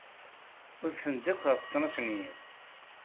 Udfen-d akk ɣef ttnac n yiḍ.